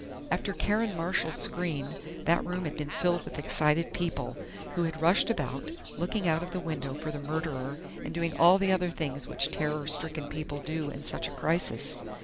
After Karen Marshall's scream that room had been filled with excited people, who had rushed about, looking out of the window for the murderer and doing all the other things which terror stricken people do in such a crisis.